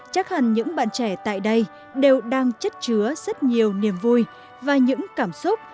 chắc hẳn những bạn trẻ tại đây đều đang chất chứa rất nhiều niềm vui và những cảm xúc